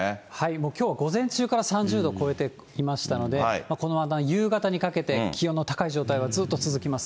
もう今日は午前中から３０度超えてきましたので、夕方にかけて気温の高い状態がずっと続きます。